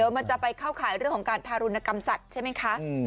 มันจะไปเข้าข่ายเรื่องของการทารุณกรรมสัตว์ใช่ไหมคะ